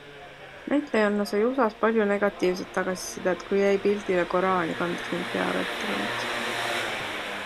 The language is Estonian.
Näitlejanna sai USA's palju negatiivset tagasisidet, kui jäi pildile koraani kandes ning pearätti kandes.